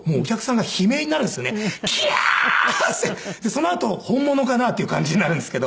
そのあと本物かな？っていう感じになるんですけど。